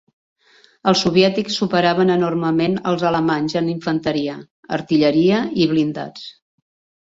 Els soviètics superaven enormement als alemanys en infanteria, artilleria i blindats.